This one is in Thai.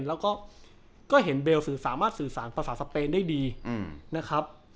แล้วก็เห็นเบลสื่อสามารถสื่อสารภาษาสเปนได้ดีนะครับ